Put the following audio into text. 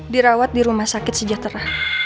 dirawat di rumah sakit sejahtera